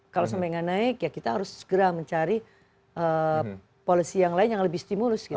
kalau sampai nggak naik ya kita harus segera mencari policy yang lain yang lebih stimulus gitu